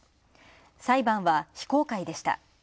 裁判は、非公開でした。